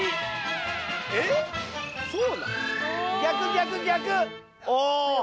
逆逆逆！